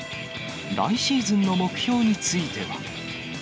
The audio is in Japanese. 来シーズンの目標については。